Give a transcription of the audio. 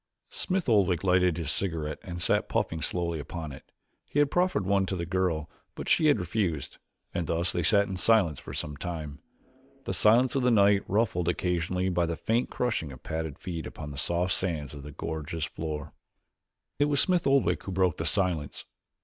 Smith Oldwick lighted his cigarette and sat puffing slowly upon it. He had proffered one to the girl but she had refused, and thus they sat in silence for some time, the silence of the night ruffled occasionally by the faint crunching of padded feet upon the soft sands of the gorge's floor. It was Smith Oldwick who broke the silence.